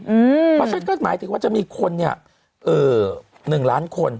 เพราะฉะนั้นก็หมายถึงว่าจะมีคน๑ล้านคน